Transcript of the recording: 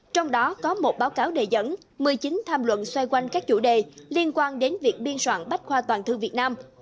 trong đó có một báo cáo đề dẫn một mươi chín tham luận xoay quanh các chủ đề liên quan đến việc biên soạn bách khoa toàn thư việt nam